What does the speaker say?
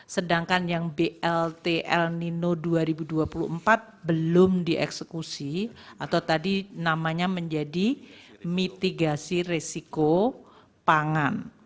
sedangkan yang blt el nino dua ribu dua puluh empat belum dieksekusi atau tadi namanya menjadi mitigasi resiko pangan